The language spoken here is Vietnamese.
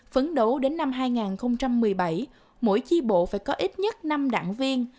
phấn đấu đến năm hai nghìn một mươi bảy mỗi chi bộ phải có ít nhất năm đảng viên